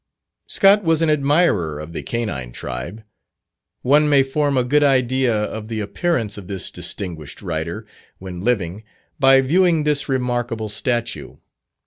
Scott was an admirer of the canine tribe. One may form a good idea of the appearance of this distinguished writer, when living, by viewing this remarkable statue.